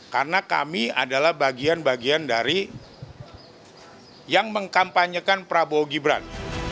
karena kami adalah bagian bagian dari yang mengkampanyekan prabowo gibran